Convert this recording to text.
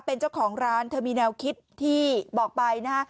เป็นเจ้าของร้านเธอมีแนวคิดที่บอกไปนะฮะ